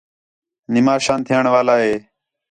نماشاں تھیئݨ والا ہے